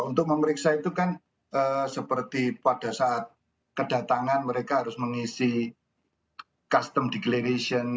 untuk memeriksa itu kan seperti pada saat kedatangan mereka harus mengisi custom declaration